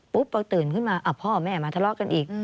พอตื่นขึ้นมาพ่อแม่มาทะเลาะกันอีก